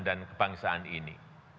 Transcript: dan kebangsaan ini